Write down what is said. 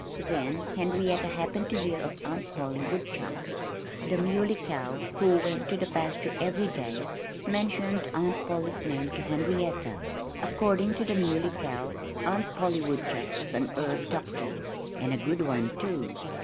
Then Henrietta happened to hear of Aunt Polly Woodchuck. The Muley Cow, who went to the pasture every day, mentioned Aunt Polly's name to Henrietta. According to the Muley Cow, Aunt Polly Woodchuck was an herb doctor and a good one, too.